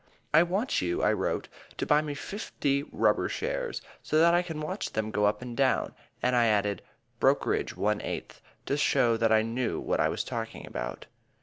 "I want you," I wrote, "to buy me fifty rubber shares, so that I can watch them go up and down." And I added, "Brokerage one eighth," to show that I knew what I was talking about.